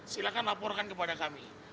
silakan laporkan kepada kami